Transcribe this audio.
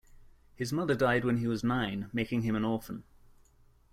His mother died when he was nine, making him an orphan.